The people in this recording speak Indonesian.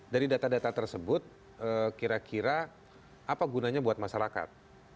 dari data data tersebut kira kira apa gunanya buat masyarakat